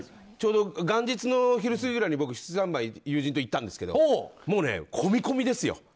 ちょうど元日の昼過ぎくらいに僕、すしざんまいに友人と行ったんですけどもう混み混みですよ。